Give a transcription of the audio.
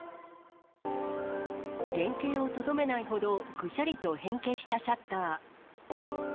原形をとどめないほど、ぐしゃりと変形したシャッター。